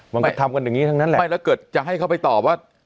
มันก็ทำกันอย่างนี้ทั้งนั้นแหละไม่แล้วเกิดจะให้เขาไปตอบว่า